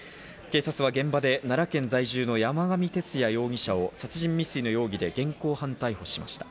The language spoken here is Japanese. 警察は現場で奈良県在住の山上徹也容疑者を殺人未遂の容疑で現行犯逮捕しました。